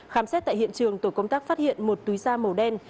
khám xét tại hiện trường tổ công tác phát hiện một túi da màu đen